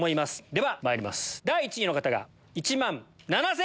ではまいります第１位の方が１万７千。